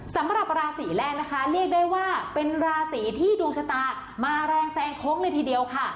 สำหรับราศีแรกนะคะเรียกได้ว่าเป็นราศีที่ดวงชะตามาแรงแซงโค้งเลยทีเดียวค่ะ